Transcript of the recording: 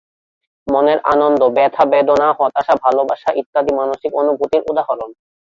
মনের আনন্দ, ব্যাথা-বেদনা, হতাশা, ভালোবাসা ইত্যাদি মানসিক অনুভূতির উদাহরণ।